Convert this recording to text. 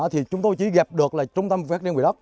thì chúng tôi chỉ gặp được là trung tâm phát riêng quỷ đất